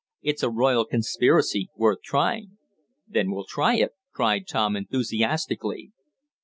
It's a royal conspiracy worth trying." "Then we'll try it!" cried Tom enthusiastically.